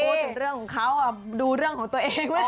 พูดถึงเรื่องของเขาอะดูเรื่องของตัวเอง